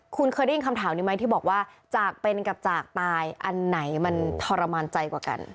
คุณเคยได้ยินคำถามนี้ไหมที่บอกว่าจากเป็นกับจากตายอันไหนมันทรมานใจกว่ากัน